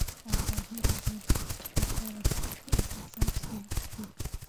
ازادي راډیو د اقتصاد په اړه د خلکو احساسات شریک کړي.